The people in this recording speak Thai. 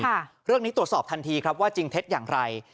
เรื่องนี้ตรวจสอบทันทีครับว่าจริงเท็จอย่างไร